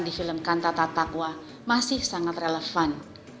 di film kantata takwa masih sangat relevan